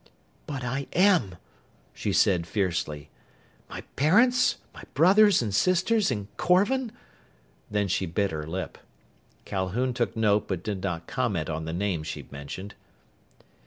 "But I am!" she said fiercely. "My parents, my brothers and sisters, and Korvan " Then she bit her lip. Calhoun took note but did not comment on the name she'd mentioned.